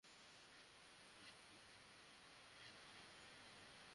রিরাকে ব্যবহার করে বাচ্চার সঙ্গে কথা বলার পাশাপাশি, বাচ্চার দেখভালও করতে পারবেন।